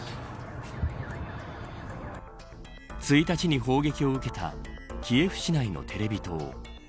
１日に砲撃を受けたキエフ市内のテレビ塔。